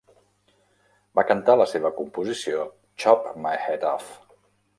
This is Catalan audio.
Va cantar la seva composició Chop My Head Off.